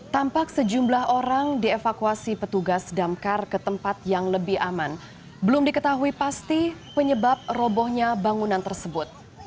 tampak sejumlah orang dievakuasi petugas damkar ke tempat yang lebih aman belum diketahui pasti penyebab robohnya bangunan tersebut